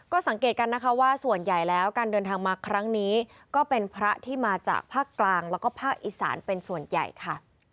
ก็สังเกตกันนะคะว่าส่วนใหญ่แล้วการเดินทางมาครั้งนี้ก็เป็นพระที่มาจากภาคกลางแล้วก็ภาคอีสานเป็นส่วนใหญ่ค่ะ